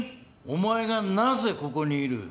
お前がなぜここにいる？